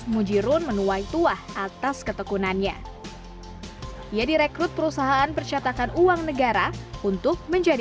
mujirun menuai tuah atas ketekunannya ia direkrut perusahaan percetakan uang negara untuk menjadi